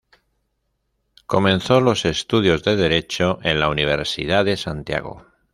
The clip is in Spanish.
Comenzó los estudios de Derecho en la Universidad de Santiago.